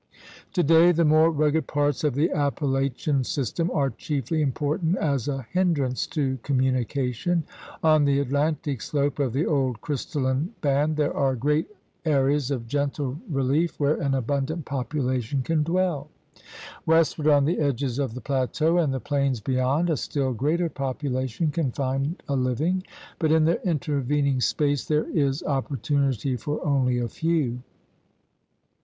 Today the more rugged parts of the Appalachian system are chiefly important as a hindrance tc communication. On the Atlantic slope of the old crystalline band there are great areas of gentle relief where an abundant population can dwell. GEOGRAPHIC PROVINCES 67 Westward on the edges of the plateau and the plains beyond a still greater population can find a living, but in the intervening space there is oppor tunity for only a few.